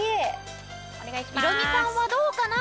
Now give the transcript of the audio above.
ヒロミさんはどうかな？